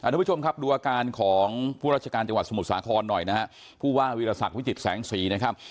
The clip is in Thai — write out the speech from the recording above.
ดูอาการของผู้ราชการจังหวัดสมุทรสาครหน่อยผู้ว่าวิรสักวิจิตรแสงสี่